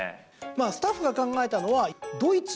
スタッフが考えたのはどいつ？